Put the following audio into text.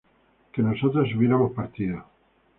que nosotras hubiéramos partido